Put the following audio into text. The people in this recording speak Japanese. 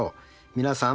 皆さん。